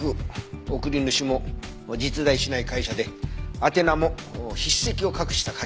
送り主も実在しない会社で宛名も筆跡を隠した書き方だったよ。